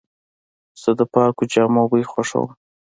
زه د پاکو جامو بوی خوښوم.